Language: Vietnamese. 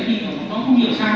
thì nó không hiểu sao